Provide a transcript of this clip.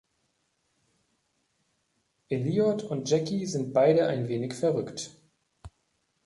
Elliot und Jackie sind beide ein wenig verrückt.